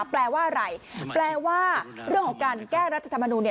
แปลว่าอะไรแปลว่าเรื่องของการแก้รัฐธรรมนูล